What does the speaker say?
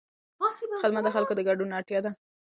خدمت د خلکو د ګډون اړتیا لري.